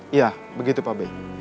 iya begitu pak bey